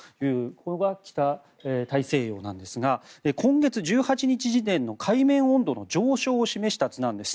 ここが北大西洋なんですが今月１８日時点の海面温度の上昇を示した図なんです。